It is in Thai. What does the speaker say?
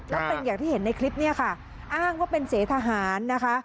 แล้วเป็นอย่างที่เห็นในคลิปอ้างว่าเป็นเสถาหารนะคะ